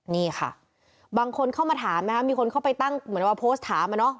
นี่ค่ะบางคนเข้ามาถามนะคะมีคนเข้าไปตั้งเหมือนว่าโพสต์ถามอะเนาะ